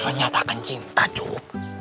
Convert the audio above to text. menyatakan cinta cup